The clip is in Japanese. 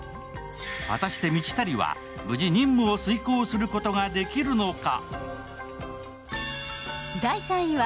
果たして道足は無事任務を遂行することができるのか。